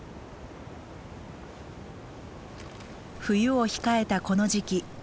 冬を控えたこの時期